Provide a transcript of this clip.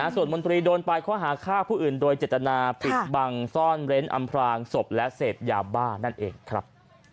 ส่วนมนตรีโดนไปข้อหาฆ่าผู้อื่นโดยเจตนาปิดบังซ่อนเร้นอำพลางศพและเสพยาบ้านั่นเองครับ